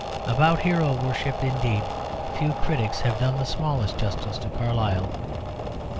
About hero worship, indeed, few critics have done the smallest justice to Carlyle.